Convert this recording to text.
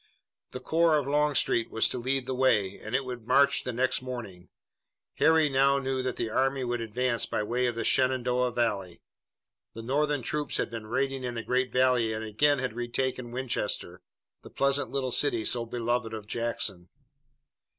The corps of Longstreet was to lead the way, and it would march the next morning. Harry now knew that the army would advance by way of the Shenandoah valley. The Northern troops had been raiding in the great valley and again had retaken Winchester, the pleasant little city so beloved of Jackson.